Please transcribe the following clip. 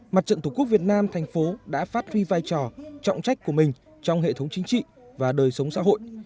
mặt trận tổ quốc việt nam thành phố đã phát huy vai trò trọng trách của mình trong hệ thống chính trị và đời sống xã hội